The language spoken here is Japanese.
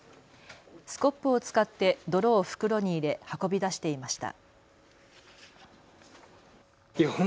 スコップを使って泥を袋に入れ運び出していました。